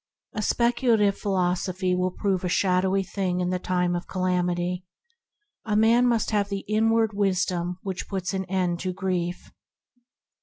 A spec ulative philosophy will prove a shadowy thing in the time of calamity; a man must have the inward Wisdom that puts an end to grief.